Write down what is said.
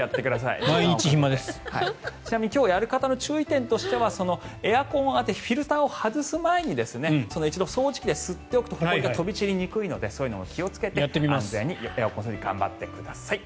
ちなみに今日やる方への注意点としてはエアコンのフィルターを外す前に一度掃除機で吸っておくとほこりが飛び散りにくいので安全にエアコン掃除頑張ってください。